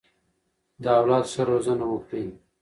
د اولاد ښه روزنه وکړئ.